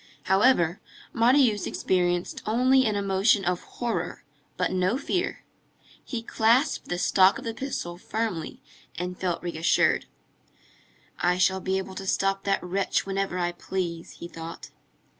However, Marius experienced only an emotion of horror, but no fear. He clasped the stock of the pistol firmly and felt reassured. "I shall be able to stop that wretch whenever I please," he thought.